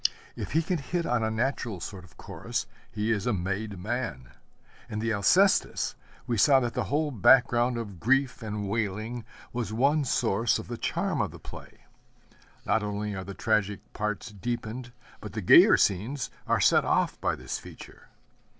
If he can hit on a natural sort of Chorus he is a made man. In the Alcestis we saw that the whole background of grief and wailing was one source of the charm of the play. Not only are the tragic parts deepened, but the gayer scenes are set off by this feature.